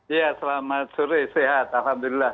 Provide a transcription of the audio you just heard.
ya selamat sore sehat alhamdulillah